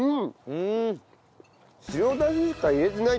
うん。